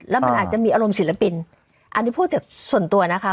แล้วมันอาจจะมีอารมณ์ศิลปินอันนี้พูดจากส่วนตัวนะคะ